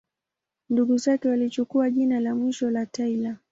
Ndugu zake walichukua jina la mwisho la Taylor.